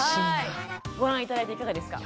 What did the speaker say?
ご覧頂いていかがですか？